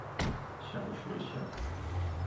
小學校